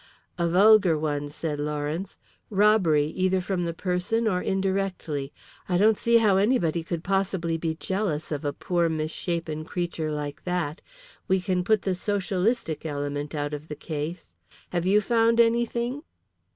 "A vulgar one," said Lawrence. "Robbery either from the person or indirectly. I don't see how anybody could possibly be jealous of a poor misshapen creature like that. We can put the socialistic element out of the case. Have you found anything?"